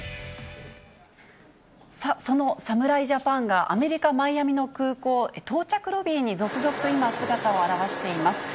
その侍ジャパンが、アメリカ・マイアミの空港、到着ロビーに続々と今、姿を現しています。